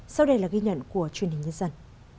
sau đây là ghi nhận của truyền hình nhân dân